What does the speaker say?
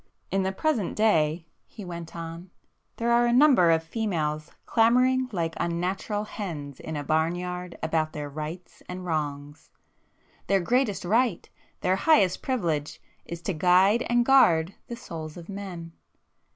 "In the present day," he went on—"there are a number of females clamouring like unnatural hens in a barn yard about their 'rights' and 'wrongs.' Their greatest right, their highest privilege, is to guide and guard the souls of men.